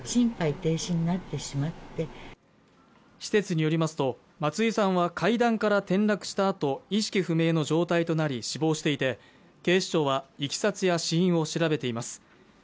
施設によりますと松井さんは階段から転落したあと意識不明の状態となり死亡していて警視庁は経緯や死因を調べています